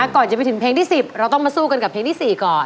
ก่อนจะไปถึงเพลงที่๑๐เราต้องมาสู้กันกับเพลงที่๔ก่อน